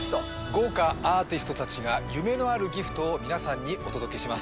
豪華アーティストたちが夢のあるギフトを皆さんにお届けします